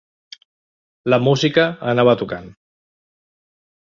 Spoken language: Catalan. La música anava tocant